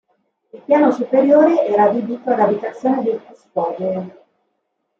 Il piano superiore era adibito ad abitazione del custode.